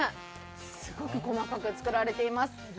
すごく細かく作られています。